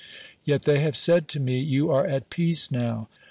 Yet they have said to me : You are at peace now.